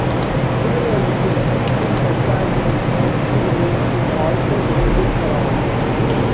Similarly, a street in Perkasie, Pennsylvania, is also named in her honor.